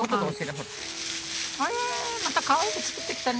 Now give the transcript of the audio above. ええまたかわいく作ってきたね。